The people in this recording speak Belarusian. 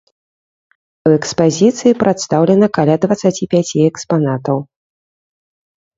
У экспазіцыі прадстаўлена каля дваццаці пяці экспанатаў.